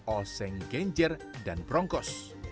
oseng genjer dan prongkos